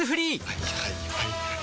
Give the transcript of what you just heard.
はいはいはいはい。